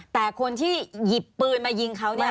แต่คนที่หยิบปืนมายิงเขาเนี่ย